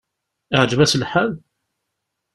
Iɛǧeb-as lḥal?